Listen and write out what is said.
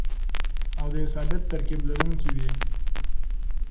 او د يو ثابت ترکيب لرونکي وي.